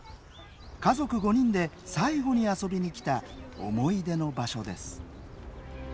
家族５人で最後に遊びに来た思い出の場所です。